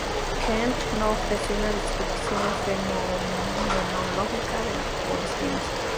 Kant no ofreció una descripción fenomenológica de la conciencia.